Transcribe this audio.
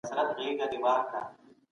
د منځنۍ پېړۍ پيل د روم له زوال سره تړلی دی.